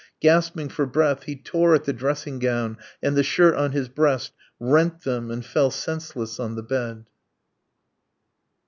Gasping for breath, he tore at the dressing gown and the shirt on his breast, rent them, and fell senseless on the bed.